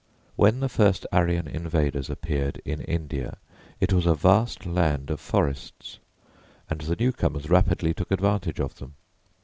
When the first Aryan invaders appeared in India it was a vast land of forests, and the new comers rapidly took advantage of them.